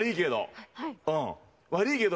悪いけど。